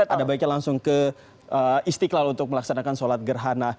ada baiknya langsung ke istiqlal untuk melaksanakan sholat gerhana